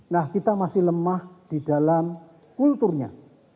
nah kita masih lemah di dalam kulturnya